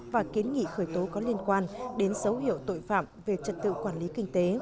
và kiến nghị khởi tố có liên quan đến dấu hiệu tội phạm về trật tự quản lý kinh tế